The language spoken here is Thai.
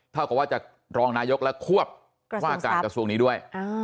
เท่ากับว่าจะรองนายกและควบว่าการกระทรวงนี้ด้วย